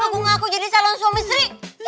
aku aku jadi calon suami sri